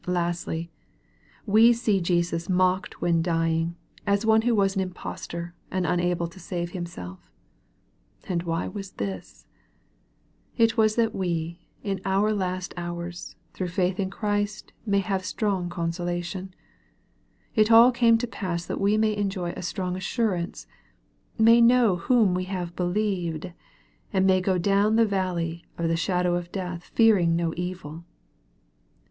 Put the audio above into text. Lastly, we see Jesus mocked when dying, as one who was an impostor, and unable to save Himself. And why was this ? It was that we, in our last hours, through faith in Christ may have strong consolation. It all came to pass that we may enjoy a strong assurance may know whom we have believed, and may go down the valley of the shadow of death fearing no evil.